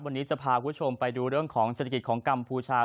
วันนี้จะพาคุณผู้ชมไปดูเรื่องของเศรษฐกิจของกัมพูชา